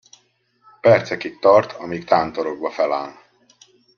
Percekig tart, amíg tántorogva feláll.